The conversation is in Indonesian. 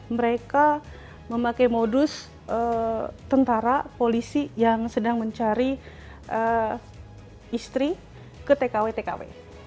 mereka memakai modus tentara polisi yang sedang mencari istri ke tkw tkw